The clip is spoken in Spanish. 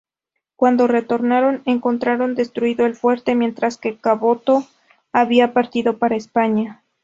Cuando retornaron encontraron destruido el fuerte, mientras que Caboto había partido para España.